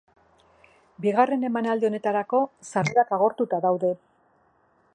Bigarren emanaldi honetarako sarrerak agortuta daude.